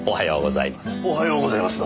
おはようございます。